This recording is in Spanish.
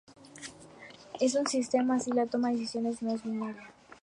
En un sistema así la toma de decisiones no es binaria.